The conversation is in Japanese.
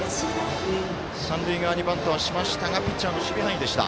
三塁側にバントしましたがピッチャーの守備範囲でした。